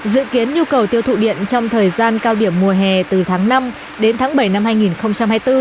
dự kiến nhu cầu tiêu thụ điện trong thời gian cao điểm mùa hè từ tháng năm đến tháng bảy năm hai nghìn hai mươi bốn